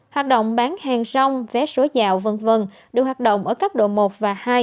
hoạt động bán hàng rong vé số dạo v v được hoạt động ở cấp độ một và hai